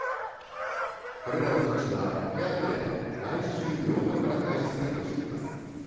これらの措置は、早ければ来週８日から開始するとしています。